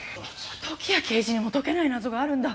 時矢刑事にも解けない謎があるんだ。